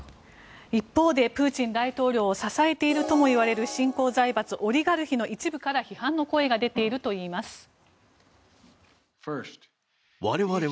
一方でプーチン大統領を支えているともいわれる新興財閥オリガルヒの一部から批判の声が出ているといいます。